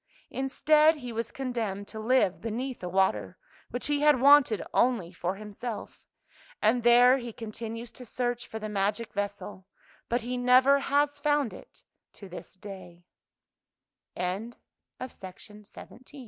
Instead, he was condemned to live beneath the water, which he had wanted only for himself, and there he continues to search for the magic vessel — but he never has found it t